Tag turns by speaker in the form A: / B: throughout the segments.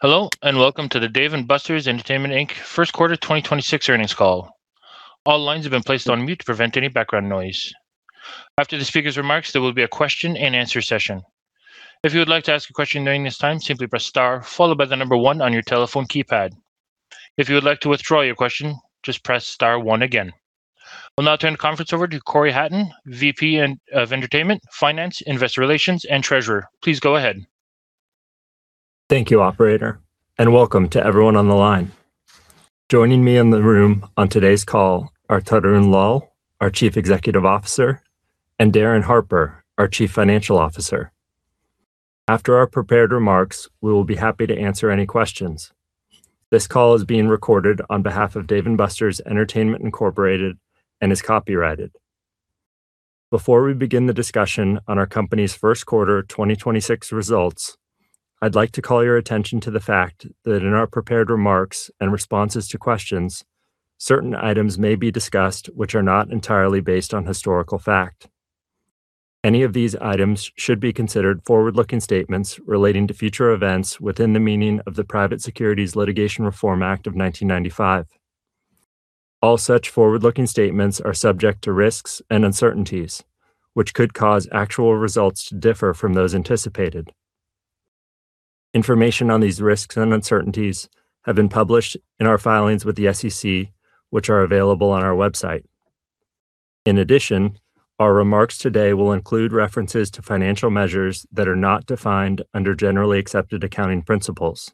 A: Hello, and welcome to the Dave & Buster's Entertainment, Inc. First Quarter 2026 Earnings Call. All lines have been placed on mute to prevent any background noise. After the speaker's remarks, there will be a question and answer session. If you would like to ask a question during this time, simply press star followed by the number one on your telephone keypad. If you would like to withdraw your question, just press star one again. We will now turn the conference over to Cory Hatton, VP of Entertainment, Finance, Investor Relations, and Treasurer. Please go ahead.
B: Thank you, operator. Welcome to everyone on the line. Joining me in the room on today's call are Tarun Lal, our Chief Executive Officer, and Darin Harper, our Chief Financial Officer. After our prepared remarks, we will be happy to answer any questions. This call is being recorded on behalf of Dave & Buster's Entertainment Incorporated and is copyrighted. Before we begin the discussion on our company's first quarter 2026 results, I would like to call your attention to the fact that in our prepared remarks and responses to questions, certain items may be discussed which are not entirely based on historical fact. Any of these items should be considered forward-looking statements relating to future events within the meaning of the Private Securities Litigation Reform Act of 1995. All such forward-looking statements are subject to risks and uncertainties, which could cause actual results to differ from those anticipated. Information on these risks and uncertainties have been published in our filings with the SEC, which are available on our website. In addition, our remarks today will include references to financial measures that are not defined under generally accepted accounting principles.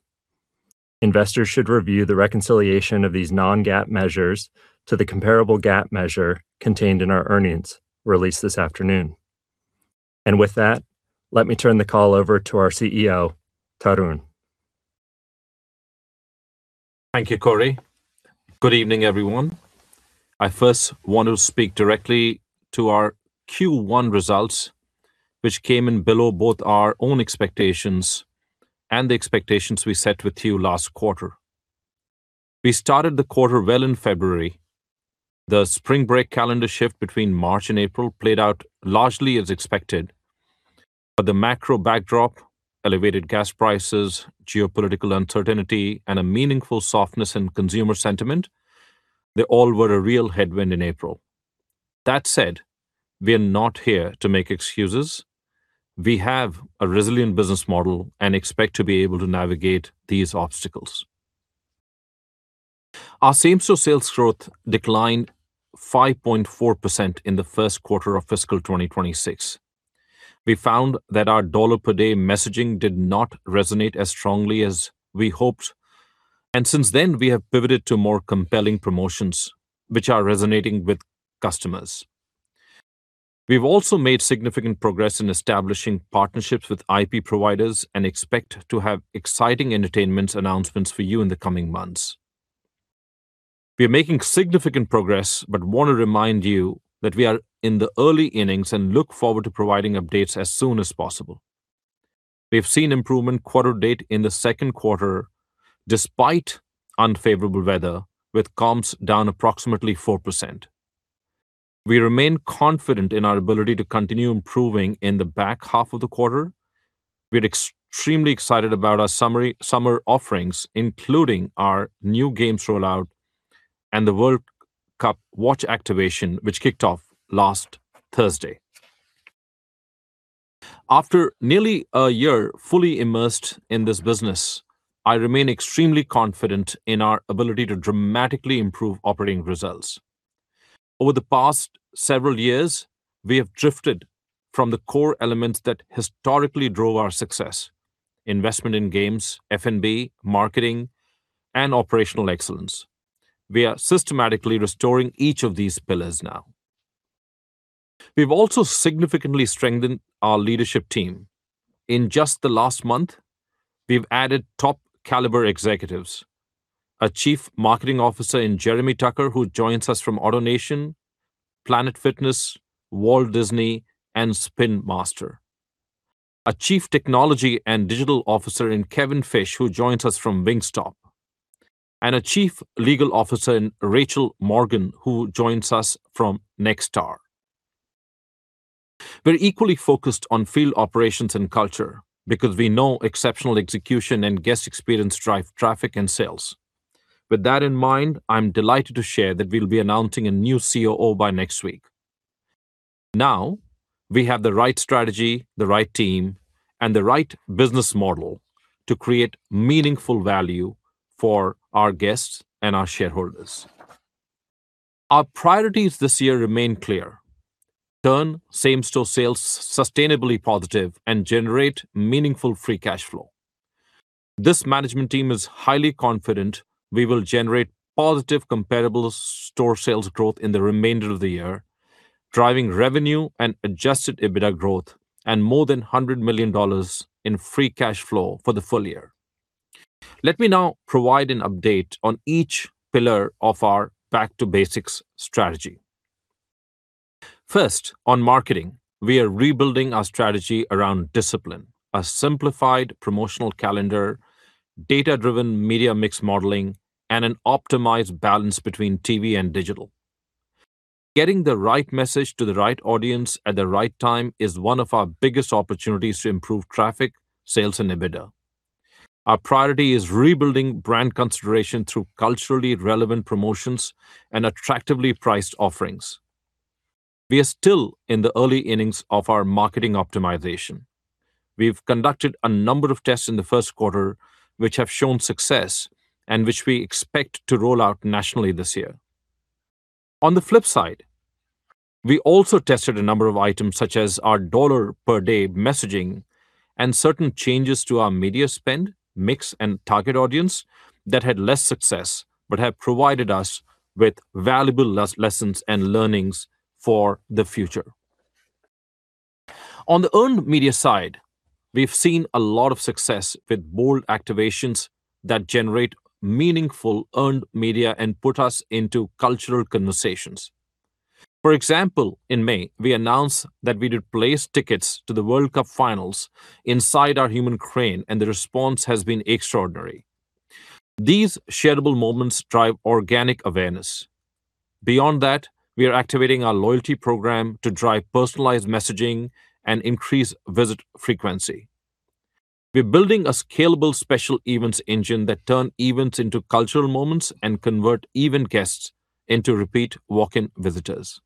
B: Investors should review the reconciliation of these non-GAAP measures to the comparable GAAP measure contained in our earnings release this afternoon. With that, let me turn the call over to our CEO, Tarun.
C: Thank you, Cory. Good evening, everyone. I first want to speak directly to our Q1 results, which came in below both our own expectations and the expectations we set with you last quarter. We started the quarter well in February. The spring break calendar shift between March and April played out largely as expected. The macro backdrop, elevated gas prices, geopolitical uncertainty, and a meaningful softness in consumer sentiment, they all were a real headwind in April. That said, we are not here to make excuses. We have a resilient business model and expect to be able to navigate these obstacles. Our same-store sales growth declined 5.4% in the first quarter of fiscal 2026. We found that our dollar-per-day messaging did not resonate as strongly as we hoped, and since then, we have pivoted to more compelling promotions, which are resonating with customers. We've also made significant progress in establishing partnerships with IP providers and expect to have exciting entertainment announcements for you in the coming months. We are making significant progress but want to remind you that we are in the early innings and look forward to providing updates as soon as possible. We have seen improvement quarter to date in the second quarter, despite unfavorable weather, with comps down approximately 4%. We remain confident in our ability to continue improving in the back half of the quarter. We are extremely excited about our summer offerings, including our new games rollout and the World Cup watch activation, which kicked off last Thursday. After nearly a year fully immersed in this business, I remain extremely confident in our ability to dramatically improve operating results. Over the past several years, we have drifted from the core elements that historically drove our success: investment in games, F&B, marketing, and operational excellence. We are systematically restoring each of these pillars now. We've also significantly strengthened our leadership team. In just the last month, we've added top-caliber executives, a Chief Marketing Officer in Jeremy Tucker, who joins us from AutoNation, Planet Fitness, Walt Disney, and Spin Master, a Chief Technology and Digital Officer in Kevin Fish, who joins us from Wingstop, and a Chief Legal Officer in Rachel Morgan, who joins us from Nexstar. We're equally focused on field operations and culture because we know exceptional execution and guest experience drive traffic and sales. With that in mind, I'm delighted to share that we'll be announcing a new COO by next week. Now, we have the right strategy, the right team, and the right business model to create meaningful value for our guests and our shareholders. Our priorities this year remain clear. Turn same-store sales sustainably positive and generate meaningful free cash flow. This management team is highly confident we will generate positive comparable store sales growth in the remainder of the year, driving revenue and adjusted EBITDA growth and more than $100 million in free cash flow for the full year. Let me now provide an update on each pillar of our back-to-basics strategy. First, on marketing, we are rebuilding our strategy around discipline, a simplified promotional calendar, data-driven media mix modeling, and an optimized balance between TV and digital. Getting the right message to the right audience at the right time is one of our biggest opportunities to improve traffic, sales, and EBITDA. Our priority is rebuilding brand consideration through culturally relevant promotions and attractively priced offerings. We are still in the early innings of our marketing optimization. We've conducted a number of tests in the first quarter which have shown success and which we expect to roll out nationally this year. On the flip side, we also tested a number of items, such as our dollar per day messaging and certain changes to our media spend, mix, and target audience that had less success but have provided us with valuable lessons and learnings for the future. On the owned media side, we've seen a lot of success with bold activations that generate meaningful earned media and put us into cultural conversations. For example, in May, we announced that we would place tickets to the World Cup finals inside our Human Crane, and the response has been extraordinary. These shareable moments drive organic awareness. Beyond that, we are activating our loyalty program to drive personalized messaging and increase visit frequency. We're building a scalable special events engine that turn events into cultural moments and convert event guests into repeat walk-in visitors.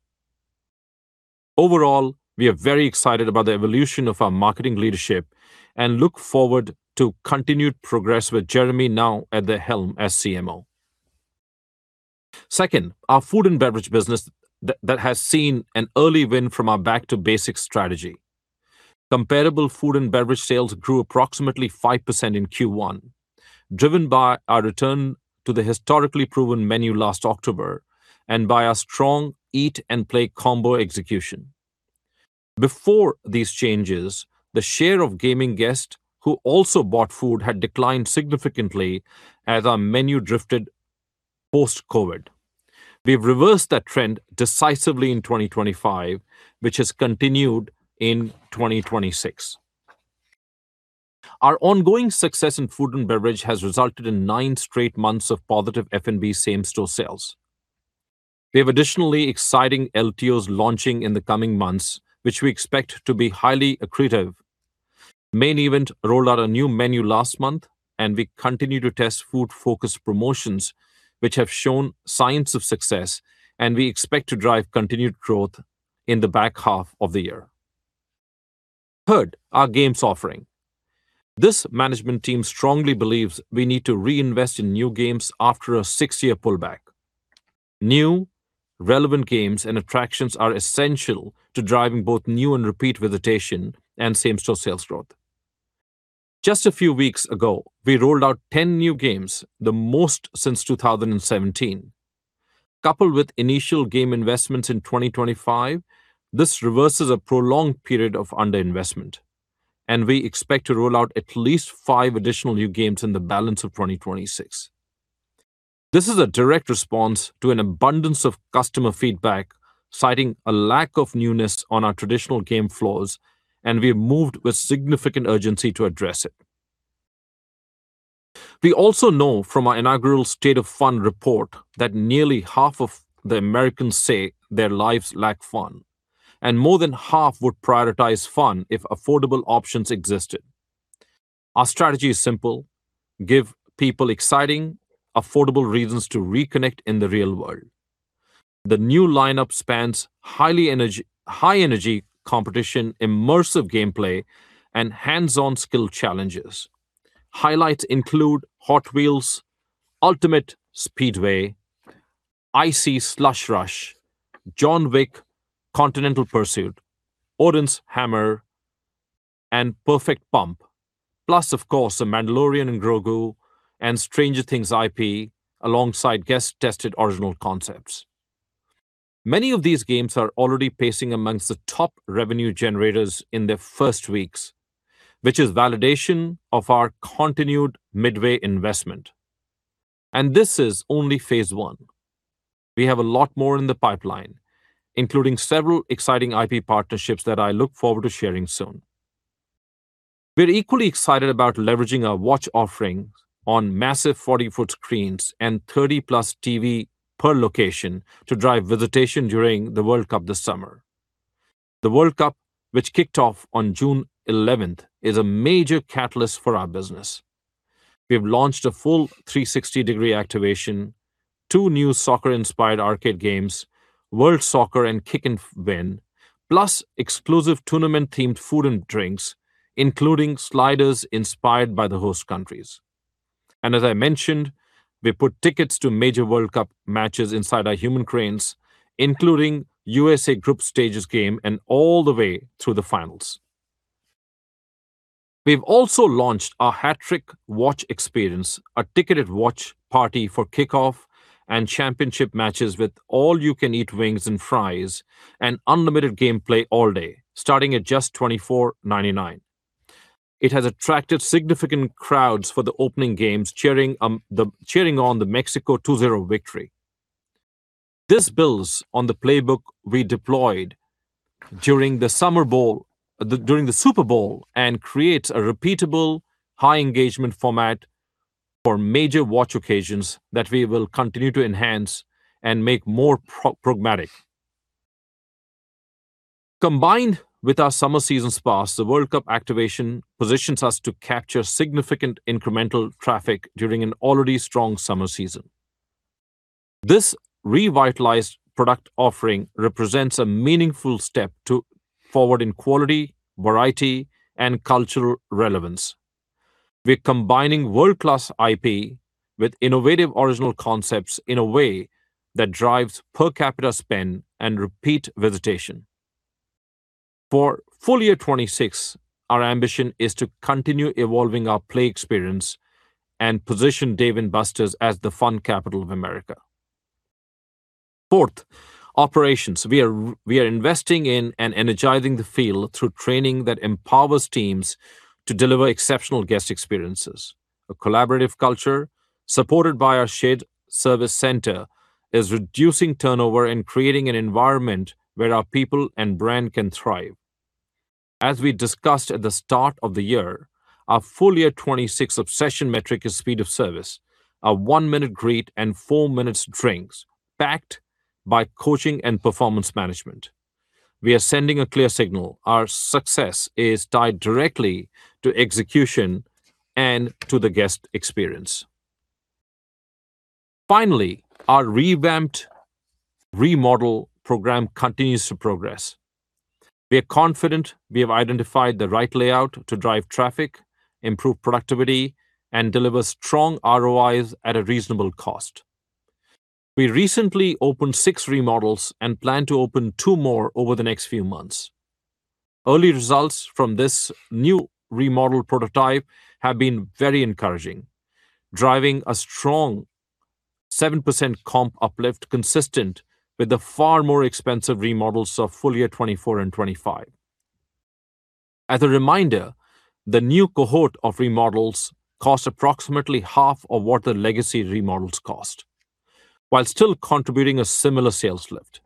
C: Overall, we are very excited about the evolution of our marketing leadership and look forward to continued progress with Jeremy now at the helm as CMO. Second, our food and beverage business that has seen an early win from our back to basics strategy. Comparable food and beverage sales grew approximately 5% in Q1, driven by our return to the historically proven menu last October and by our strong Eat & Play Combo execution. Before these changes, the share of gaming guests who also bought food had declined significantly as our menu drifted post-COVID. We've reversed that trend decisively in 2025, which has continued in 2026. Our ongoing success in food and beverage has resulted in nine straight months of positive F&B same-store sales. We have additionally exciting LTOs launching in the coming months, which we expect to be highly accretive. Main Event rolled out a new menu last month. We continue to test food-focused promotions, which have shown signs of success, and we expect to drive continued growth in the back half of the year. Third, our games offering. This management team strongly believes we need to reinvest in new games after a six-year pullback. New relevant games and attractions are essential to driving both new and repeat visitation and same-store sales growth. Just a few weeks ago, we rolled out 10 new games, the most since 2017. Coupled with initial game investments in 2025, this reverses a prolonged period of underinvestment. We expect to roll out at least five additional new games in the balance of 2026. This is a direct response to an abundance of customer feedback, citing a lack of newness on our traditional game floors, and we have moved with significant urgency to address it. We also know from our inaugural State of Fun Report that nearly half of the Americans say their lives lack fun, and more than half would prioritize fun if affordable options existed. Our strategy is simple: give people exciting, affordable reasons to reconnect in the real world. The new lineup spans high-energy competition, immersive gameplay, and hands-on skill challenges. Highlights include Hot Wheels Ultimate Speedway, ICEE Slush Rush, John Wick: Continental Pursuit, Odin's Hammer Strike, and Perfect Pump. Plus, of course, The Mandalorian & Grogu and Stranger Things IP, alongside guest-tested original concepts. Many of these games are already pacing amongst the top revenue generators in their first weeks, which is validation of our continued midway investment. This is only phase one. We have a lot more in the pipeline, including several exciting IP partnerships that I look forward to sharing soon. We're equally excited about leveraging our watch offerings on massive 40-ft screens and 30+ TV per location to drive visitation during the World Cup this summer. The World Cup, which kicked off on June 11th, is a major catalyst for our business. We have launched a full 360-degree activation, two new soccer-inspired arcade games, World Soccer and Kick N' Win, plus exclusive tournament-themed food and drinks, including sliders inspired by the host countries. As I mentioned, we put tickets to major World Cup matches inside our Human Cranes, including U.S.A. group stages game, and all the way through the finals. We have also launched our Hat Trick Watch Experience, a ticketed watch party for kickoff and championship matches with all-you-can-eat wings and fries and unlimited gameplay all day, starting at just $24.99. It has attracted significant crowds for the opening games, cheering on the Mexico 2-0 victory. This builds on the playbook we deployed during the Super Bowl and creates a repeatable high-engagement format. Major watch occasions that we will continue to enhance and make more pragmatic. Combined with our summer season spurs, the World Cup activation positions us to capture significant incremental traffic during an already strong summer season. This revitalized product offering represents a meaningful step to forward in quality, variety, and cultural relevance. We are combining world-class IP with innovative original concepts in a way that drives per capita spend and repeat visitation. For FY 2026, our ambition is to continue evolving our play experience and position Dave & Buster's as the fun capital of America. Fourth, operations. We are investing in and energizing the field through training that empowers teams to deliver exceptional guest experiences. A collaborative culture, supported by our shared service center, is reducing turnover and creating an environment where our people and brand can thrive. As we discussed at the start of the year, our FY 2026 obsession metric is speed of service, a one-minute greet and four minutes drinks, backed by coaching and performance management. We are sending a clear signal. Our success is tied directly to execution and to the guest experience. Finally, our revamped remodel program continues to progress. We are confident we have identified the right layout to drive traffic, improve productivity, and deliver strong ROIs at a reasonable cost. We recently opened six remodels and plan to open two more over the next few months. Early results from this new remodel prototype have been very encouraging, driving a strong 7% comp uplift consistent with the far more expensive remodels of full year 2024 and full year 2025. As a reminder, the new cohort of remodels cost approximately half of what the legacy remodels cost, while still contributing a similar sales lift.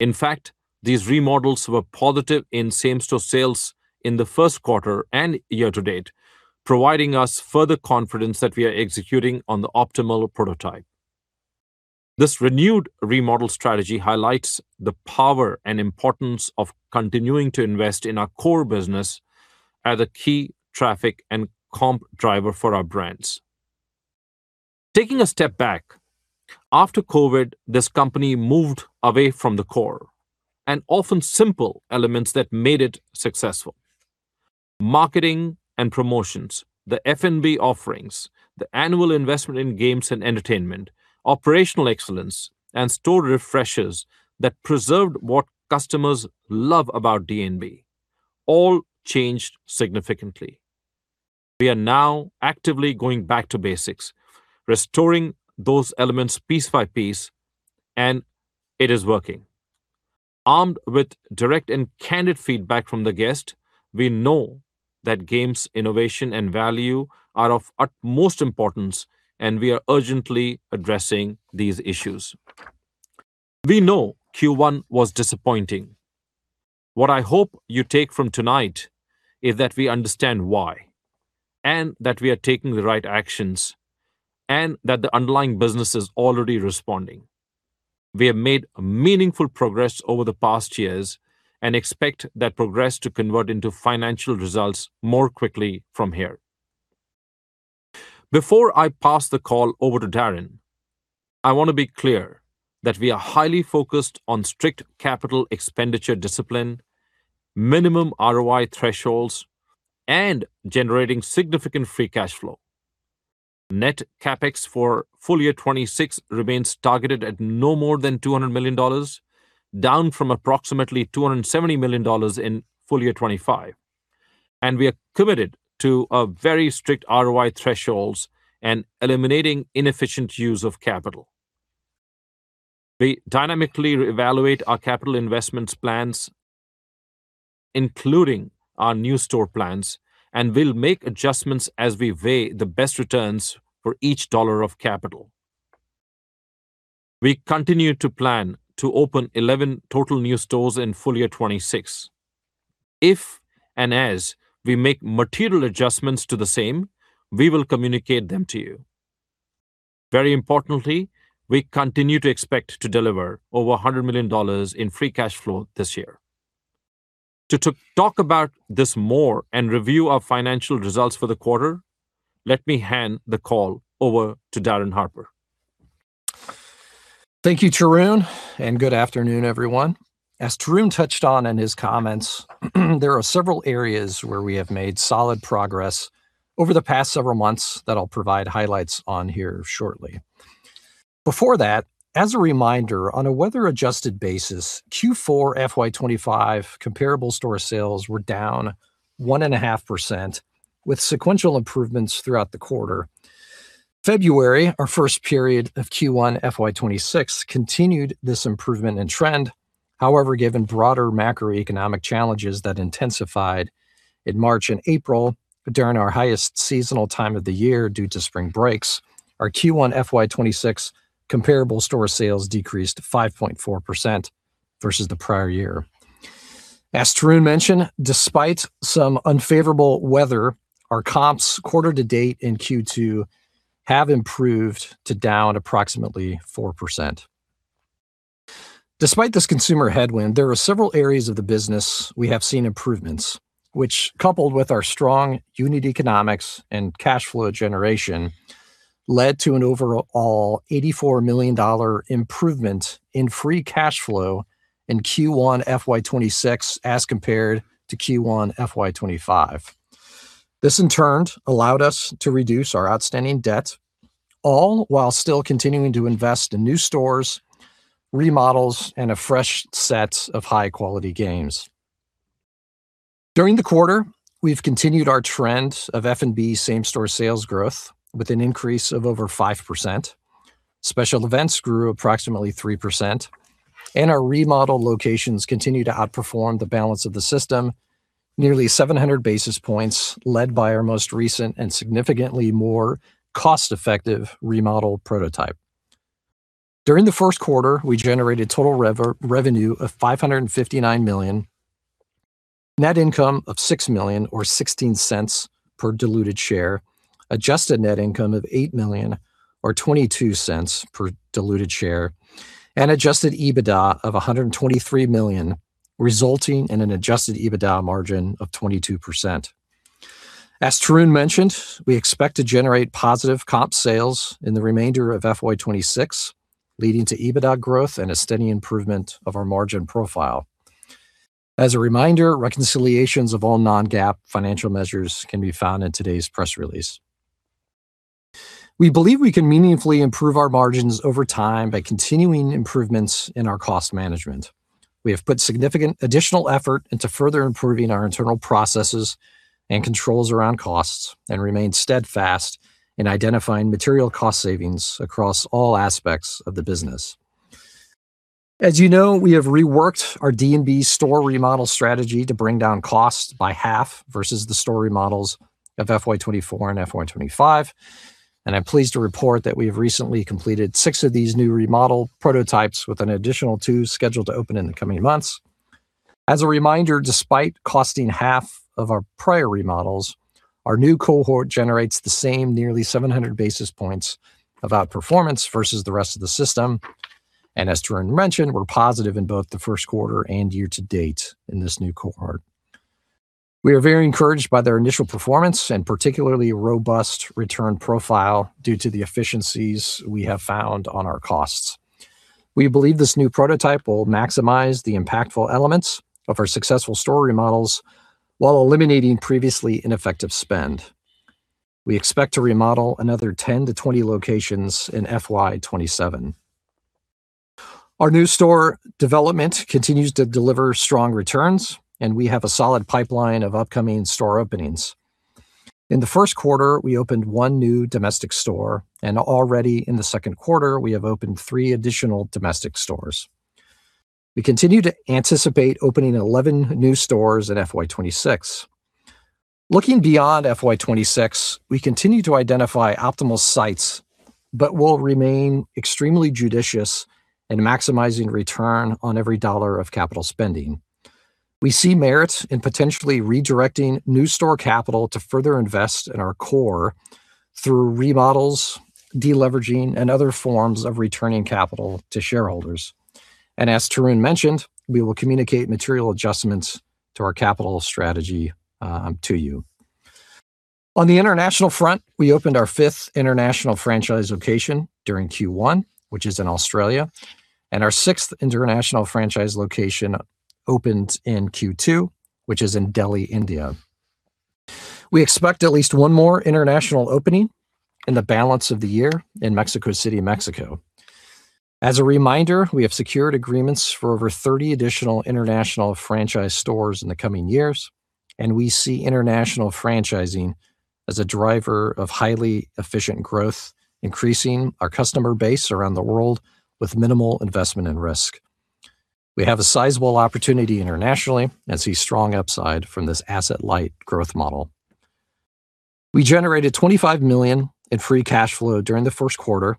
C: In fact, these remodels were positive in same-store sales in the first quarter and year-to-date, providing us further confidence that we are executing on the optimal prototype. This renewed remodel strategy highlights the power and importance of continuing to invest in our core business as a key traffic and comp driver for our brands. Taking a step back, after COVID, this company moved away from the core and often simple elements that made it successful. Marketing and promotions, the F&B offerings, the annual investment in games and entertainment, operational excellence, and store refreshes that preserved what customers love about D&B all changed significantly. We are now actively going back to basics, restoring those elements piece by piece, and it is working. Armed with direct and candid feedback from the guest, we know that games innovation and value are of utmost importance, and we are urgently addressing these issues. We know Q1 was disappointing. What I hope you take from tonight is that we understand why and that we are taking the right actions and that the underlying business is already responding. We have made meaningful progress over the past years and expect that progress to convert into financial results more quickly from here. Before I pass the call over to Darin, I want to be clear that we are highly focused on strict capital expenditure discipline, minimum ROI thresholds, and generating significant free cash flow. Net CapEx for full year 2026 remains targeted at no more than $200 million, down from approximately $270 million in full year 2025. We are committed to very strict ROI thresholds and eliminating inefficient use of capital. We dynamically evaluate our capital investments plans, including our new store plans, and will make adjustments as we weigh the best returns for each dollar of capital. We continue to plan to open 11 total new stores in full year 2026. If and as we make material adjustments to the same, we will communicate them to you. Very importantly, we continue to expect to deliver over $100 million in free cash flow this year. To talk about this more and review our financial results for the quarter, let me hand the call over to Darin Harper.
D: Thank you, Tarun, and good afternoon, everyone. As Tarun touched on in his comments, there are several areas where we have made solid progress over the past several months that I'll provide highlights on here shortly. Before that, as a reminder, on a weather-adjusted basis, Q4 FY 2025 comparable store sales were down 1.5% with sequential improvements throughout the quarter. February, our first period of Q1 FY 2026, continued this improvement in trend. However, given broader macroeconomic challenges that intensified in March and April during our highest seasonal time of the year due to spring breaks, our Q1 FY 2026 comparable store sales decreased 5.4% versus the prior year. As Tarun mentioned, despite some unfavorable weather, our comps quarter to date in Q2 have improved to down approximately 4%. Despite this consumer headwind, there are several areas of the business we have seen improvements, which coupled with our strong unit economics and cash flow generation, led to an overall $84 million improvement in free cash flow in Q1 FY 2026 as compared to Q1 FY 2025. This in turn allowed us to reduce our outstanding debt, all while still continuing to invest in new stores, remodels, and a fresh set of high-quality games. During the quarter, we've continued our trend of F&B same-store sales growth with an increase of over 5%. Special events grew approximately 3%, and our remodeled locations continue to outperform the balance of the system nearly 700 basis points, led by our most recent and significantly more cost-effective remodel prototype. During the first quarter, we generated total revenue of $559 million, net income of $6 million or $0.16 per diluted share, adjusted net income of $8 million or $0.22 per diluted share, and adjusted EBITDA of $123 million, resulting in an adjusted EBITDA margin of 22%. As Tarun mentioned, we expect to generate positive comp sales in the remainder of FY 2026, leading to EBITDA growth and a steady improvement of our margin profile. As a reminder, reconciliations of all non-GAAP financial measures can be found in today's press release. We believe we can meaningfully improve our margins over time by continuing improvements in our cost management. We have put significant additional effort into further improving our internal processes and controls around costs and remain steadfast in identifying material cost savings across all aspects of the business. As you know, we have reworked our D&B store remodel strategy to bring down costs by half versus the store remodels of FY 2024 and FY 2025. I am pleased to report that we have recently completed six of these new remodel prototypes with an additional two scheduled to open in the coming months. As a reminder, despite costing half of our prior remodels, our new cohort generates the same nearly 700 basis points of outperformance versus the rest of the system. As Tarun mentioned, we are positive in both the first quarter and year to date in this new cohort. We are very encouraged by their initial performance and particularly robust return profile due to the efficiencies we have found on our costs. We believe this new prototype will maximize the impactful elements of our successful store remodels while eliminating previously ineffective spend. We expect to remodel another 10-20 locations in FY 2027. Our new store development continues to deliver strong returns, and we have a solid pipeline of upcoming store openings. In the first quarter, we opened one new domestic store, and already in the second quarter, we have opened three additional domestic stores. We continue to anticipate opening 11 new stores in FY 2026. Looking beyond FY 2026, we continue to identify optimal sites but will remain extremely judicious in maximizing return on every dollar of capital spending. We see merit in potentially redirecting new store capital to further invest in our core through remodels, deleveraging, and other forms of returning capital to shareholders. As Tarun mentioned, we will communicate material adjustments to our capital strategy to you. On the international front, we opened our fifth international franchise location during Q1, which is in Australia, and our sixth international franchise location opened in Q2, which is in Delhi, India. We expect at least one more international opening in the balance of the year in Mexico City, Mexico. As a reminder, we have secured agreements for over 30 additional international franchise stores in the coming years, and we see international franchising as a driver of highly efficient growth, increasing our customer base around the world with minimal investment and risk. We have a sizable opportunity internationally and see strong upside from this asset-light growth model. We generated $25 million in free cash flow during the first quarter,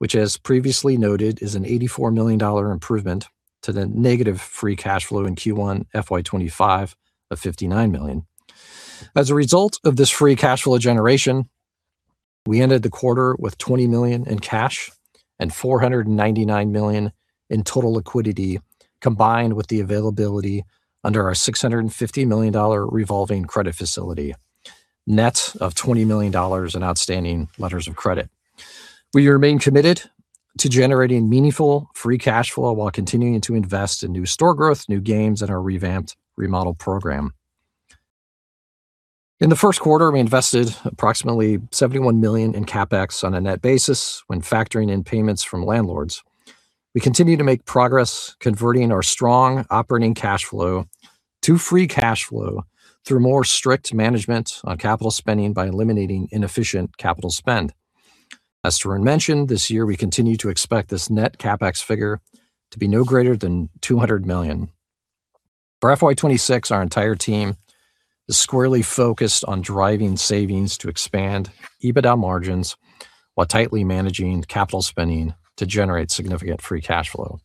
D: which as previously noted, is an $84 million improvement to the negative free cash flow in Q1 FY 2025 of $59 million. As a result of this free cash flow generation, we ended the quarter with $20 million in cash and $499 million in total liquidity, combined with the availability under our $650 million revolving credit facility, net of $20 million in outstanding letters of credit. We remain committed to generating meaningful free cash flow while continuing to invest in new store growth, new games, and our revamped remodel program. In the first quarter, we invested approximately $71 million in CapEx on a net basis when factoring in payments from landlords. We continue to make progress converting our strong operating cash flow to free cash flow through more strict management on capital spending by eliminating inefficient capital spend. As Tarun mentioned, this year we continue to expect this net CapEx figure to be no greater than $200 million. For FY 2026, our entire team is squarely focused on driving savings to expand EBITDA margins while tightly managing capital spending to generate significant free cash flow.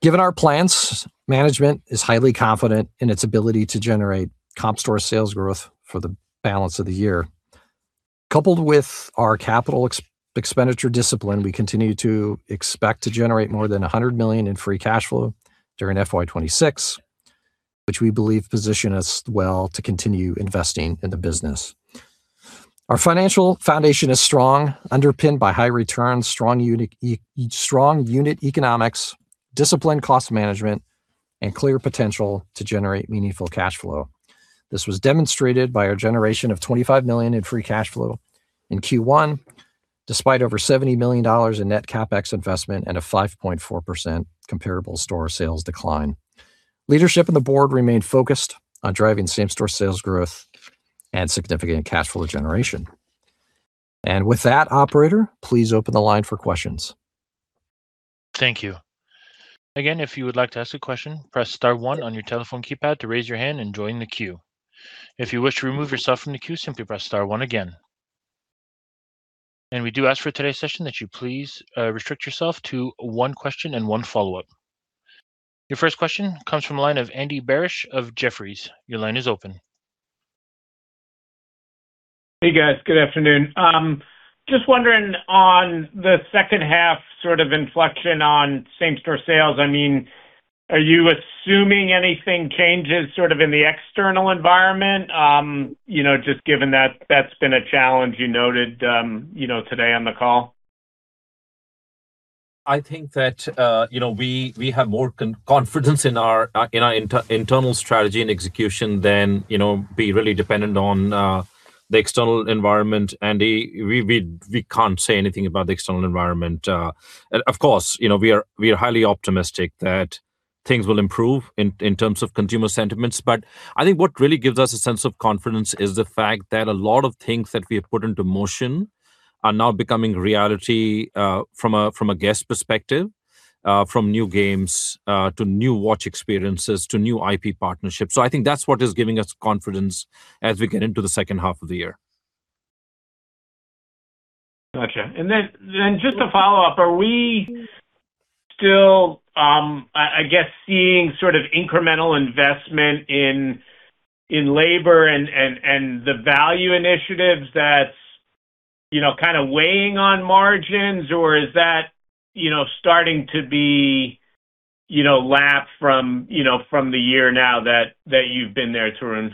D: Given our plans, management is highly confident in its ability to generate comp store sales growth for the balance of the year. Coupled with our capital expenditure discipline, we continue to expect to generate more than $100 million in free cash flow during FY 2026, which we believe position us well to continue investing in the business. Our financial foundation is strong, underpinned by high returns, strong unit economics, disciplined cost management, and clear potential to generate meaningful cash flow. This was demonstrated by our generation of $25 million in free cash flow in Q1, despite over $70 million in net CapEx investment and a 5.4% comparable store sales decline. Leadership and the board remain focused on driving same store sales growth and significant cash flow generation. With that, operator, please open the line for questions.
A: Thank you. Again, if you would like to ask a question, press star one on your telephone keypad to raise your hand and join the queue. If you wish to remove yourself from the queue, simply press star one again. We do ask for today's session that you please restrict yourself to one question and one follow-up. Your first question comes from the line of Andy Barish of Jefferies. Your line is open.
E: Hey, guys. Good afternoon. Wondering on the second half sort of inflection on same store sales. Are you assuming anything changes sort of in the external environment? Given that that's been a challenge you noted today on the call.
C: I think that we have more confidence in our internal strategy and execution than be really dependent on the external environment, Andy. We can't say anything about the external environment. Of course, we are highly optimistic that things will improve in terms of consumer sentiments. I think what really gives us a sense of confidence is the fact that a lot of things that we have put into motion are now becoming reality from a guest perspective, from new games, to new watch experiences, to new IP partnerships. I think that's what is giving us confidence as we get into the second half of the year.
E: Got you. A follow-up. Are we still, I guess, seeing sort of incremental investment in labor and the value initiatives that's kind of weighing on margins, or is that starting to be lapped from the year now that you've been there, Tarun?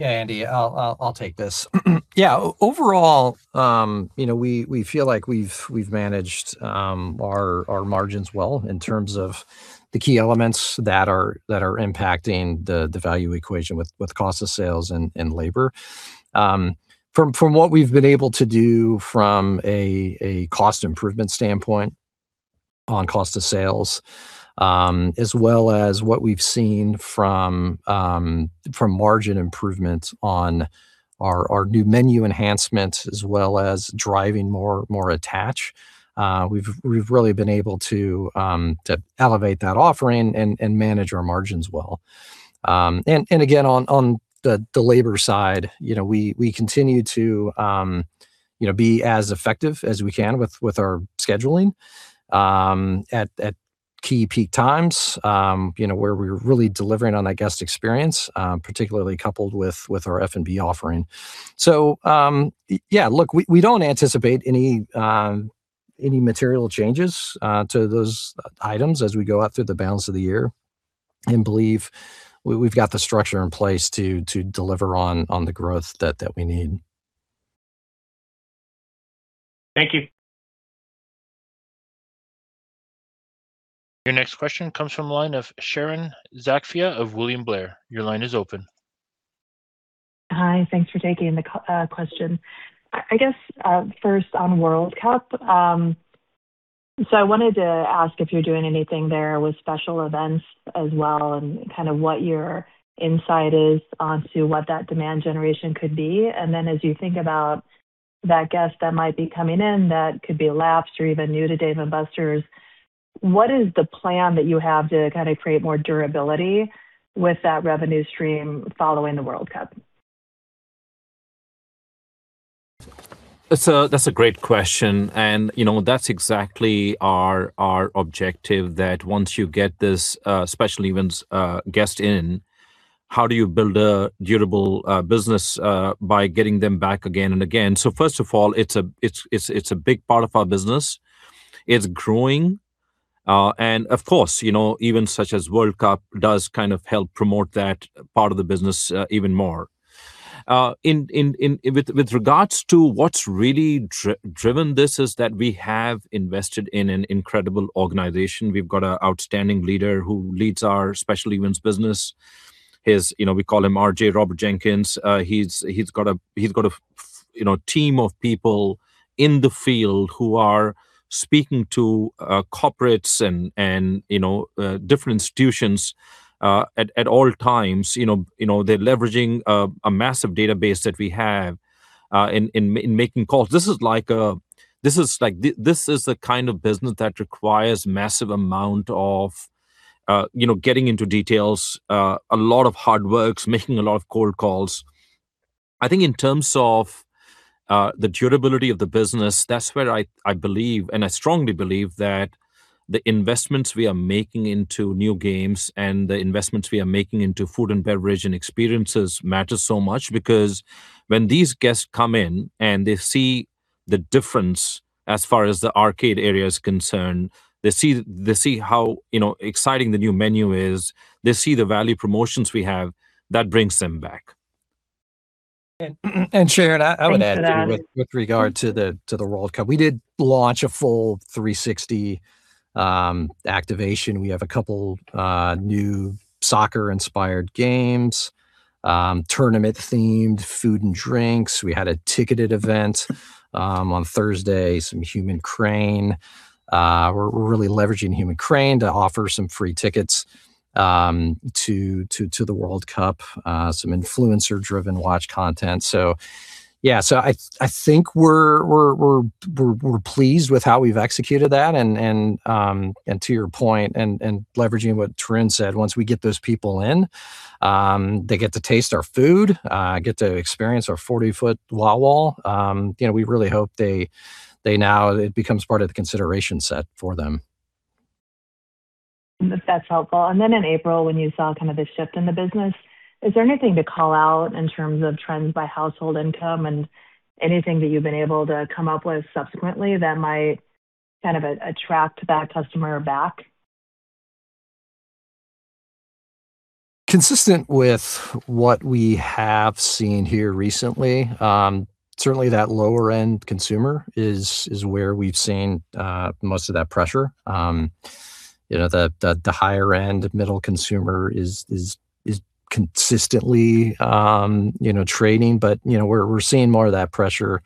D: Andy, I'll take this. Overall, we feel like we've managed our margins well in terms of the key elements that are impacting the value equation with cost of sales and labor. From what we've been able to do from a cost improvement standpoint on cost of sales, as well as what we've seen from margin improvements on our new menu enhancements as well as driving more attach. We've really been able to elevate that offering and manage our margins well. Again, on the labor side, we continue to be as effective as we can with our scheduling at key peak times, where we're really delivering on that guest experience, particularly coupled with our F&B offering. Yeah, look, we don't anticipate any material changes to those items as we go out through the balance of the year, and believe we've got the structure in place to deliver on the growth that we need.
E: Thank you.
A: Your next question comes from the line of Sharon Zackfia of William Blair. Your line is open.
F: Hi. Thanks for taking the question. I guess, first on World Cup. I wanted to ask if you're doing anything there with special events as well, and kind of what your insight is onto what that demand generation could be. And then as you think about that guest that might be coming in, that could be lapsed or even new to Dave & Buster's, what is the plan that you have to kind of create more durability with that revenue stream following the World Cup?
C: That's a great question, and that's exactly our objective, that once you get this special events guest in, how do you build a durable business by getting them back again and again? First of all, it's a big part of our business. It's growing. Of course, events such as World Cup does kind of help promote that part of the business even more. With regards to what's really driven this is that we have invested in an incredible organization. We've got an outstanding leader who leads our special events business. We call him RJ, Robert Jenkins. He's got a team of people in the field who are speaking to corporates and different institutions at all times. They're leveraging a massive database that we have in making calls. This is the kind of business that requires massive amount of getting into details, a lot of hard work, making a lot of cold calls. I think in terms of the durability of the business, that's where I believe, and I strongly believe, that the investments we are making into new games and the investments we are making into food and beverage and experiences matter so much because when these guests come in and they see the difference as far as the arcade area is concerned, they see how exciting the new menu is. They see the value promotions we have, that brings them back.
D: Sharon, I would add here with regard to the World Cup, we did launch a full 360 activation. We have a couple new soccer-inspired games, tournament-themed food and drinks. We had a ticketed event on Thursday, some Human Crane. We're really leveraging Human Crane to offer some free tickets to the World Cup. Some influencer-driven watch content. Yeah. I think we're pleased with how we've executed that and to your point and leveraging what Tarun said, once we get those people in, they get to taste our food, get to experience our 40-ft wall. We really hope they now, it becomes part of the consideration set for them.
F: That's helpful. Then in April, when you saw kind of a shift in the business, is there anything to call out in terms of trends by household income and anything that you've been able to come up with subsequently that might kind of attract that customer back?
D: Consistent with what we have seen here recently. Certainly, that lower-end consumer is where we've seen most of that pressure. The higher-end middle consumer is consistently trading, but we're seeing more of that pressure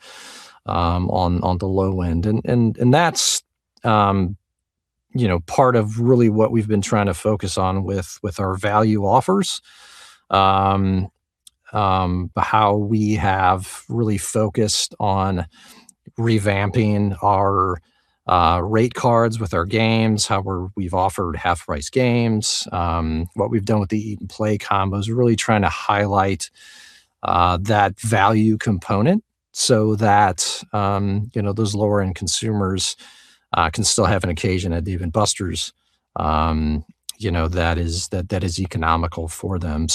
D: on the low end. That's part of really what we've been trying to focus on with our value offers. How we have really focused on revamping our rate cards with our games, how we've offered half-price games. What we've done with the Eat & Play combos, we're really trying to highlight that value component so that those lower-end consumers can still have an occasion at Dave & Buster's that is economical for them.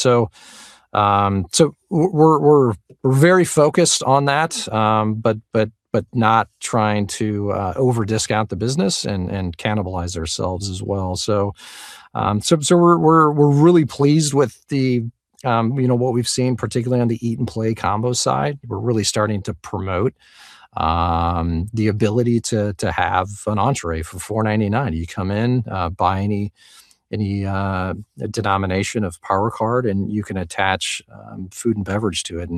D: We're very focused on that. Not trying to over-discount the business and cannibalize ourselves as well. We're really pleased with what we've seen, particularly on the Eat & Play combo side. We're really starting to promote the ability to have an entrée for $4.99. You come in, buy any denomination of Power Card, you can attach food and beverage to it.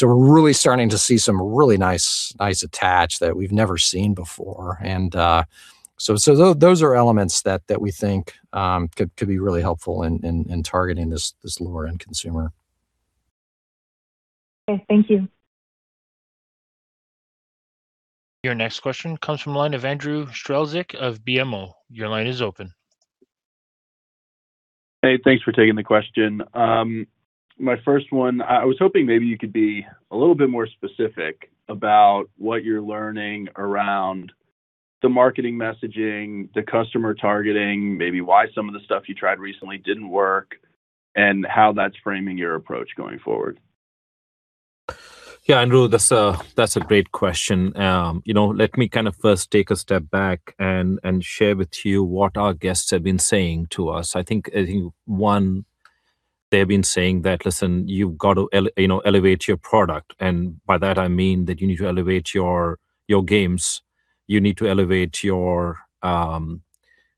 D: We're really starting to see some really nice attach that we've never seen before. Those are elements that we think could be really helpful in targeting this lower-end consumer.
F: Okay. Thank you.
A: Your next question comes from the line of Andrew Strelzik of BMO. Your line is open.
G: Hey, thanks for taking the question. My first one, I was hoping maybe you could be a little bit more specific about what you're learning around the marketing messaging, the customer targeting, maybe why some of the stuff you tried recently didn't work, and how that's framing your approach going forward.
C: Yeah, Andrew, that's a great question. Let me kind of first take a step back and share with you what our guests have been saying to us. They've been saying that, "Listen, you've got to elevate your product." By that I mean that you need to elevate your games, you need to elevate your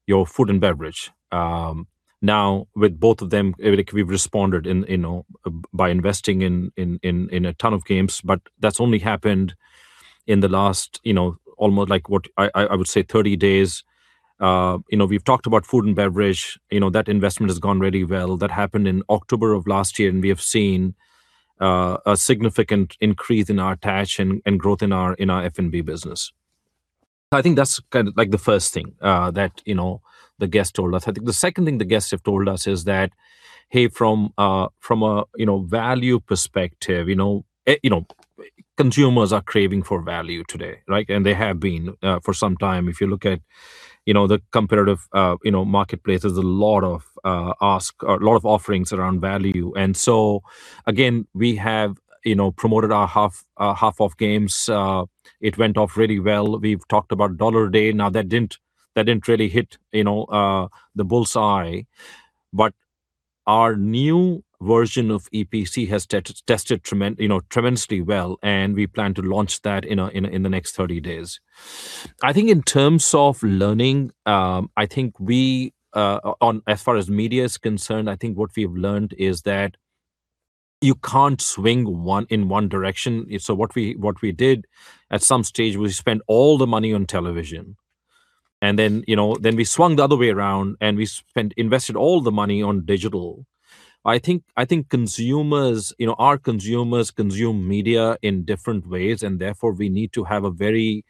C: food and beverage. With both of them, we've responded by investing in a ton of games. That's only happened in the last, almost like what I would say 30 days. We've talked about food and beverage. That investment has gone really well. That happened in October of last year, and we have seen a significant increase in our attach and growth in our F&B business. I think that's kind of the first thing that the guests told us. The second thing the guests have told us is that, from a value perspective, consumers are craving for value today, right? They have been for some time. If you look at the competitive marketplace, there's a lot of ask, a lot of offerings around value. Again, we have promoted our half-price games. It went off really well. We've talked about Dollar Day. That didn't really hit the bullseye. Our new version of EPC has tested tremendously well, and we plan to launch that in the next 30 days. In terms of learning, as far as media is concerned, what we've learned is that you can't swing in one direction. What we did at some stage, we spent all the money on television, and then we swung the other way around and we invested all the money on digital. Our consumers consume media in different ways, and therefore we need to have a very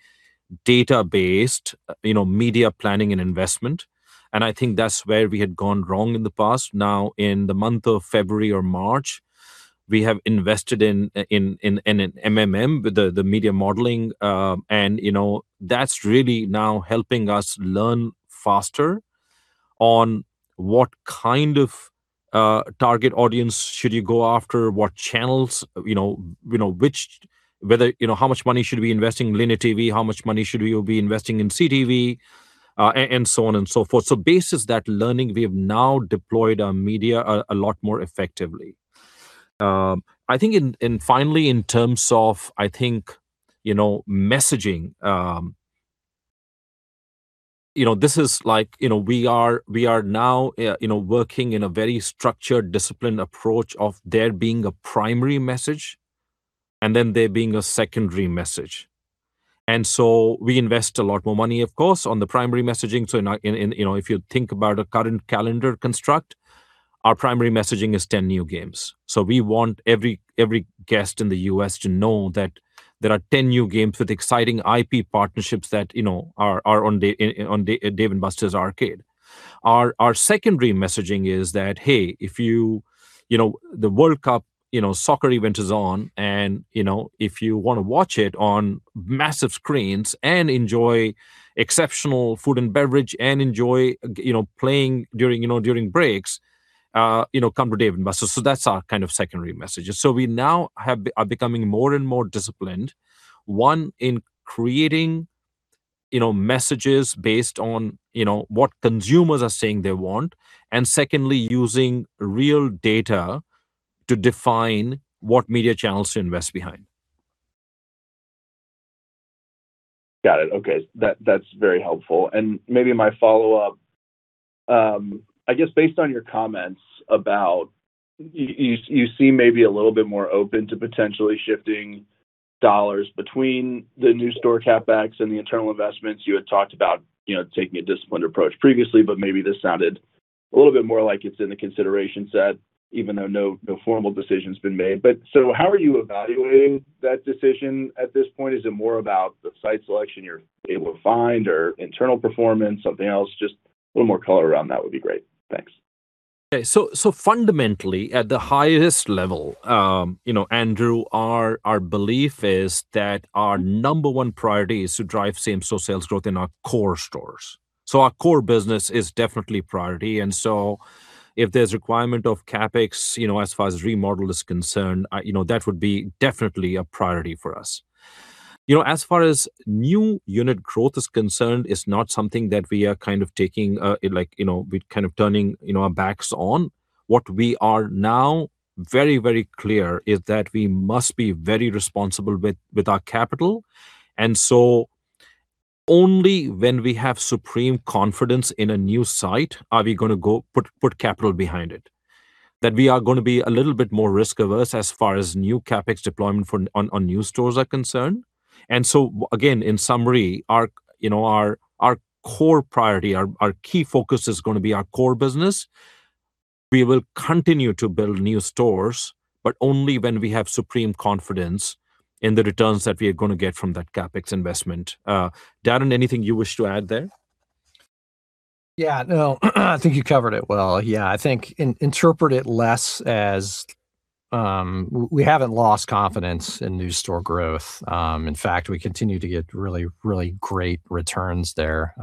C: data-based media planning and investment, and that's where we had gone wrong in the past. In the month of February or March we have invested in an MMM, the media modeling, and that's really now helping us learn faster on what kind of target audience should you go after, what channels, how much money should we be investing in linear TV, how much money should we be investing in CTV, and so on and so forth. Basis that learning, we have now deployed our media a lot more effectively. I think finally, in terms of messaging, we are now working in a very structured, disciplined approach of there being a primary message, and then there being a secondary message. We invest a lot more money, of course, on the primary messaging. If you think about a current calendar construct, our primary messaging is 10 new games. We want every guest in the U.S. to know that there are 10 new games with exciting IP partnerships that are on Dave & Buster's Arcade. Our secondary messaging is that, hey, the World Cup soccer event is on, and if you want to watch it on massive screens and enjoy exceptional food and beverage and enjoy playing during breaks, come to Dave & Buster's. That's our kind of secondary message. We now are becoming more and more disciplined, one, in creating messages based on what consumers are saying they want, and secondly, using real data to define what media channels to invest behind.
G: Got it. Okay. That's very helpful. Maybe my follow-up, I guess based on your comments, you seem maybe a little bit more open to potentially shifting dollars between the new store CapEx and the internal investments. You had talked about taking a disciplined approach previously, maybe this sounded a little bit more like it's in the consideration set, even though no formal decision's been made. How are you evaluating that decision at this point? Is it more about the site selection you're able to find or internal performance, something else? Just a little more color around that would be great. Thanks.
C: Okay. Fundamentally, at the highest level, Andrew, our belief is that our number one priority is to drive same-store sales growth in our core stores. Our core business is definitely priority. If there's requirement of CapEx, as far as remodel is concerned, that would be definitely a priority for us. As far as new unit growth is concerned, it's not something that we are kind of turning our backs on. What we are now very clear is that we must be very responsible with our capital. Only when we have supreme confidence in a new site, are we going to go put capital behind it. That we are going to be a little bit more risk-averse as far as new CapEx deployment on new stores are concerned. In summary, our core priority, our key focus is going to be our core business. We will continue to build new stores, but only when we have supreme confidence in the returns that we are going to get from that CapEx investment. Darin, anything you wish to add there?
D: No, I think you covered it well. I think interpret it less as we haven't lost confidence in new store growth. In fact, we continue to get really great returns there.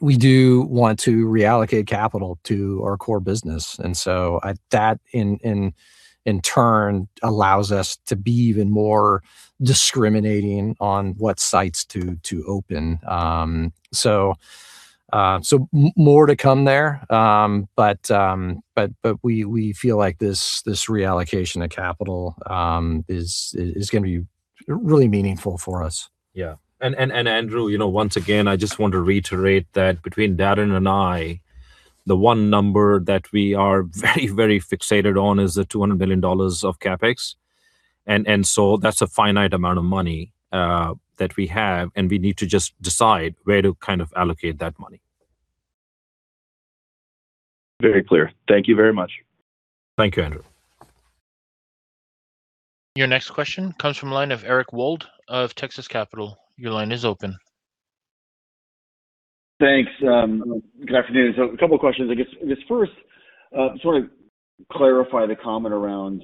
D: We do want to reallocate capital to our core business. That, in turn, allows us to be even more discriminating on what sites to open. More to come there. We feel like this reallocation of capital is going to be really meaningful for us.
C: Andrew, once again, I just want to reiterate that between Darin and I, the one number that we are very fixated on is the $200 million of CapEx. That's a finite amount of money that we have, and we need to just decide where to allocate that money.
G: Very clear. Thank you very much.
C: Thank you, Andrew.
A: Your next question comes from the line of Eric Wold of Texas Capital. Your line is open.
H: Thanks. Good afternoon. A couple of questions. I guess first, sort of clarify the comment around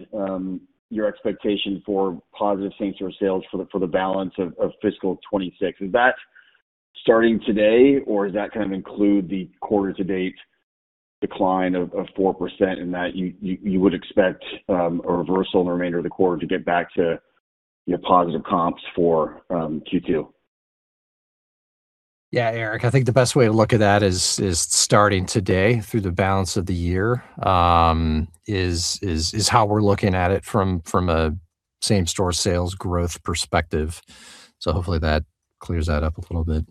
H: your expectation for positive same-store sales for the balance of fiscal 2026. Is that starting today, or does that kind of include the quarter to date decline of 4% in that you would expect a reversal in the remainder of the quarter to get back to positive comps for Q2?
D: Yeah, Eric, I think the best way to look at that is starting today through the balance of the year, is how we're looking at it from a same-store sales growth perspective. Hopefully that clears that up a little bit.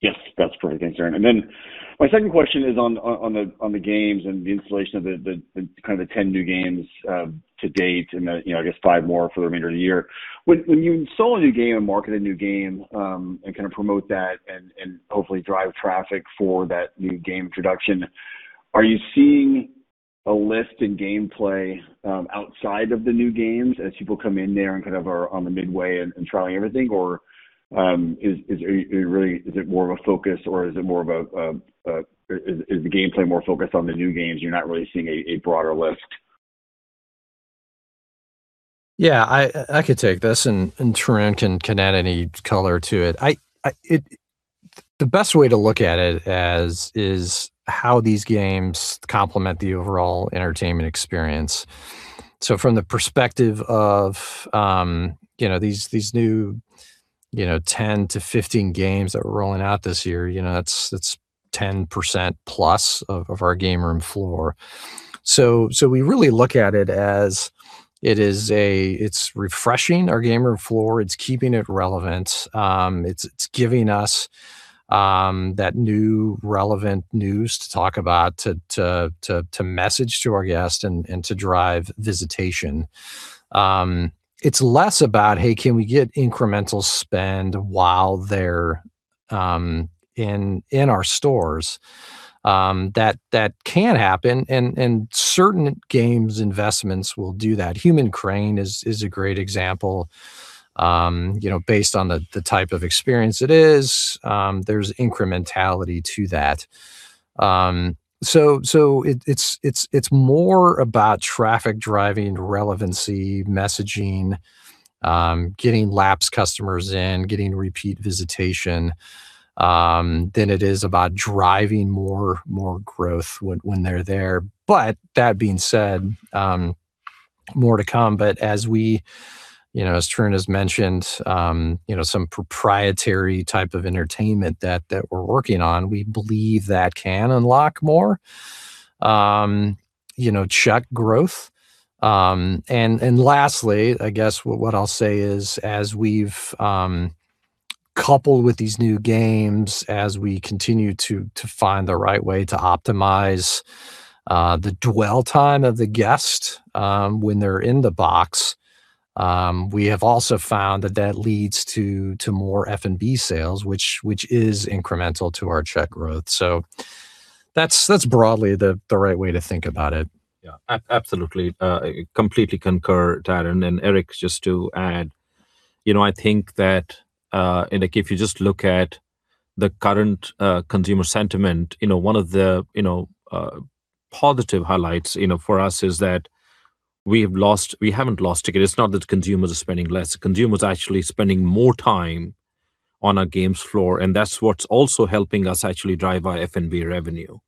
H: Yes, that's great. Thanks, Darin. Then my second question is on the games and the installation of the kind of the 10 new games to date and the, I guess, five more for the remainder of the year. When you install a new game and market a new game, and kind of promote that and hopefully drive traffic for that new game introduction, are you seeing a lift in game play outside of the new games as people come in there and kind of are on the midway and trying everything? Or is it more of a focus, or is the game play more focused on the new games, you're not really seeing a broader lift?
D: Yeah, I could take this. Tarun can add any color to it. The best way to look at it is how these games complement the overall entertainment experience. From the perspective of these new 10-15 games that we're rolling out this year, that's 10%+ of our game room floor. We really look at it as it's refreshing our game room floor. It's keeping it relevant. It's giving us that new relevant news to talk about, to message to our guests, and to drive visitation. It's less about, hey, can we get incremental spend while they're in our stores. That can happen, and certain games investments will do that. Human Crane is a great example. Based on the type of experience it is, there's incrementality to that. It's more about traffic driving relevancy, messaging, getting lapsed customers in, getting repeat visitation, than it is about driving more growth when they're there. That being said, more to come. As Tarun has mentioned, some proprietary type of entertainment that we're working on, we believe that can unlock more check growth. Lastly, I guess what I'll say is, as we've coupled with these new games, as we continue to find the right way to optimize the dwell time of the guest when they're in the box, we have also found that that leads to more F&B sales, which is incremental to our check growth. That's broadly the right way to think about it.
C: Yeah, absolutely. I completely concur, Darin. Eric, just to add, I think that if you just look at the current consumer sentiment, one of the positive highlights for us is that we haven't lost ticket. It's not that consumers are spending less. Consumers are actually spending more time on our games floor, and that's what's also helping us actually drive our F&B revenue.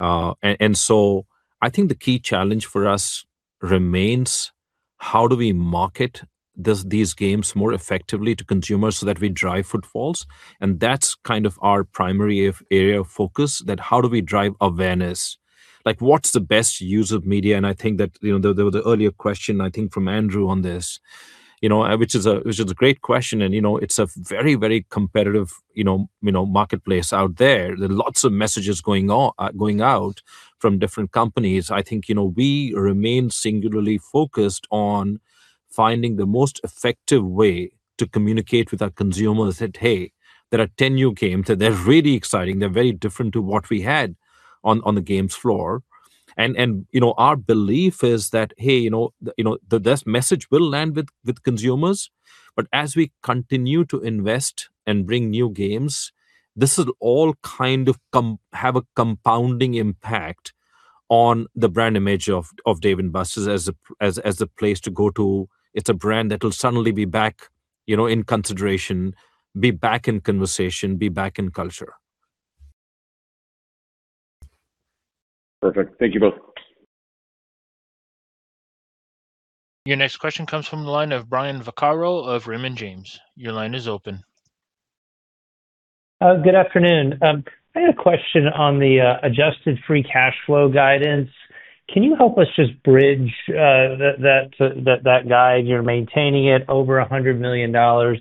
C: I think the key challenge for us remains how do we market these games more effectively to consumers so that we drive footfalls? That's kind of our primary area of focus, that how do we drive awareness? What's the best use of media? I think that the earlier question, I think from Andrew on this, which is a great question, and it's a very competitive marketplace out there. There are lots of messages going out from different companies. I think we remain singularly focused on finding the most effective way to communicate with our consumers that, hey, there are 10 new games. They're really exciting. They're very different to what we had on the games floor. Our belief is that, hey, this message will land with consumers, but as we continue to invest and bring new games, this will all kind of have a compounding impact on the brand image of Dave & Buster's as a place to go to. It's a brand that will suddenly be back in consideration, be back in conversation, be back in culture.
H: Perfect. Thank you both.
A: Your next question comes from the line of Brian Vaccaro of Raymond James. Your line is open.
I: Good afternoon. I had a question on the adjusted free cash flow guidance. Can you help us just bridge that guide? You're maintaining it over $100 million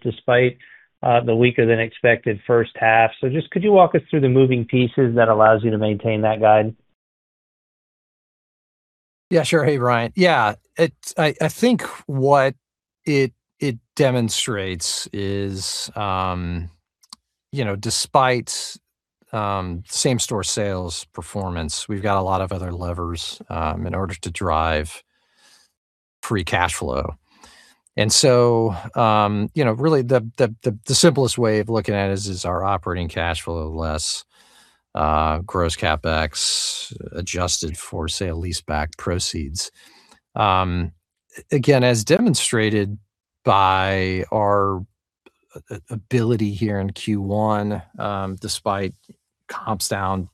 I: despite the weaker than expected first half. Just could you walk us through the moving pieces that allows you to maintain that guide?
D: Sure. Hey, Brian. I think what it demonstrates is despite same-store sales performance, we've got a lot of other levers in order to drive free cash flow. Really the simplest way of looking at it is our operating cash flow less gross CapEx adjusted for sale leaseback proceeds. Again, as demonstrated by our ability here in Q1, despite comps down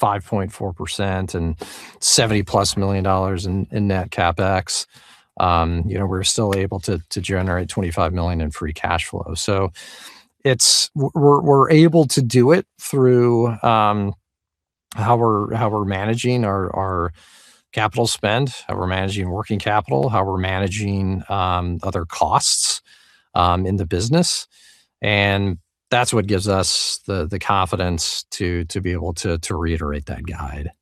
D: 5.4% and $70+ million in net CapEx, we're still able to generate $25 million in free cash flow. We're able to do it through how we're managing our capital spend, how we're managing working capital, how we're managing other costs in the business, and that's what gives us the confidence to be able to reiterate that guide.